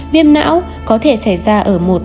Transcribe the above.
viêm não có thể xảy ra ở một